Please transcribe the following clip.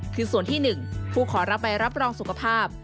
คือส่วนที่๑ผู้ขอรับใบรับรองสุขภาพ